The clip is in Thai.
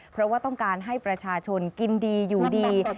เพราะว่าต้องการให้ประชาชนกินดีอยู่ดี